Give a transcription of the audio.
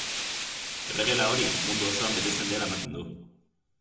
Erregela hori, mundu osoan betetzen dela ematen du.